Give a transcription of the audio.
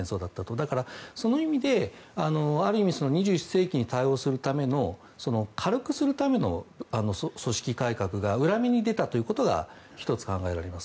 だから、その意味で２１世紀に対応するための軽くするための組織改革が裏目に出たということが１つ考えられます。